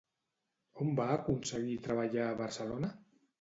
On va aconseguir treballar a Barcelona?